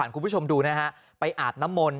คุณผู้ชมดูนะฮะไปอาบน้ำมนต